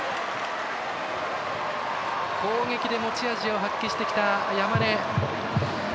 攻撃で持ち味を発揮してきた山根。